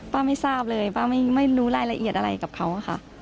ไม่ทราบเลยป้าไม่รู้รายละเอียดอะไรกับเขาค่ะ